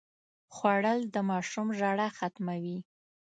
خوړل د ماشوم ژړا ختموي